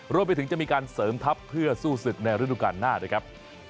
รวมไปถึงจะมีการเสริมทัพเพื่อสู้ศึกในฤดูการหน้าด้วยครับ